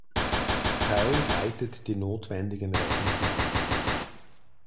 Paul leitet die notwendigen Rettungsmaßnahmen.